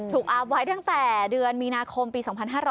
อัพไว้ตั้งแต่เดือนมีนาคมปี๒๕๕๙